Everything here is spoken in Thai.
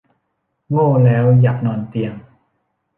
โง่แล้วอยากนอนเตียง